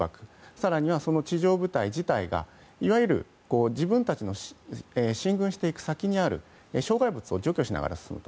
更には、その地上部隊自体がいわゆる自分たちが進軍していく先にある障害物を除去しながら進む。